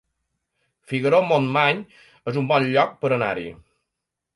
Figaró-Montmany es un bon lloc per anar-hi